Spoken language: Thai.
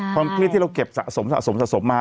ความเครียดที่เราเก็บสะสมสะสมสะสมมา